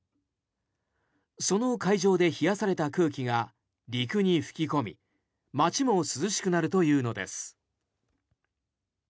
その海上で冷やされた空気が陸に吹き込み街も涼しくなるというのです。